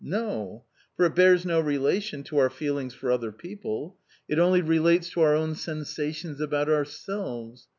No! For it bears no relation to our feelings for other people, it only relates to our own sensations about ourselves.